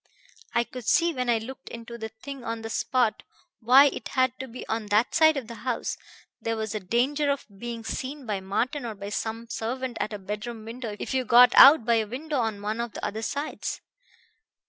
I could see when I looked into the thing on the spot why it had to be on that side of the house; there was a danger of being seen by Martin or by some servant at a bedroom window if you got out by a window on one of the other sides.